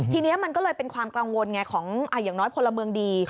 ทีนี้มันก็เลยเป็นความกังวลไงของอย่างน้อยพลเมืองดี